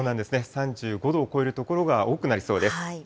３５度を超える所が多くなりそうです。